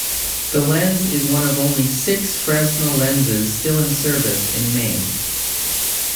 The lens is one of only six Fresnel lenses still in service in Maine.